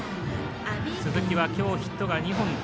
鈴木は今日ヒットが２本。